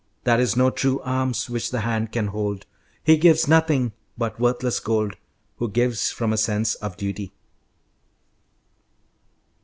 That is no true alms which the hand can hold. He gives nothing but worthless gold Who gives from a sense of duty."